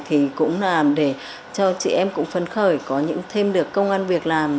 thì cũng làm để cho chị em cũng phấn khởi có những thêm được công an việc làm